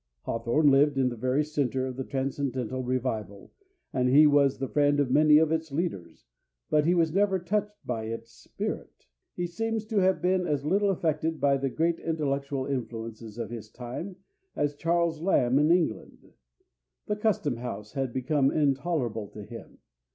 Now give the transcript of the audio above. Hawthorne lived in the very centre of the Transcendental revival, and he was the friend of many of its leaders, but he was never touched by its spirit. He seems to have been as little affected by the great intellectual influences of his time as Charles Lamb in England. The Custom house had become intolerable to him.